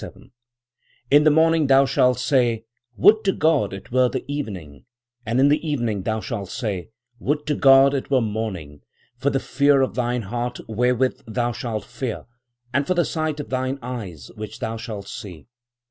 67, 'In the morning thou shalt say, Would to God it were the evening, and in the evening thou shalt say, Would to God it were morning; for the fear of thine heart wherewith thou shalt fear, and for the sight of thine eyes which thou shalt see.'